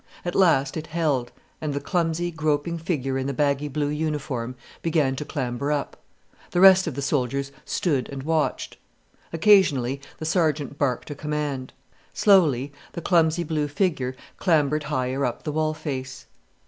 At last it held, and the clumsy, groping figure in the baggy blue uniform began to clamber up. The rest of the soldiers stood and watched. Occasionally the sergeant barked a command. Slowly the clumsy blue figure clambered higher up the wall face.